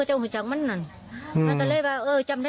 ไม่เห็นสิ่งที่ฝั่งโบราณนะ